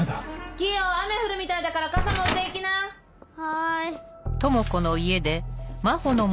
・キヨ雨降るみたいだから傘持って行きな・はい。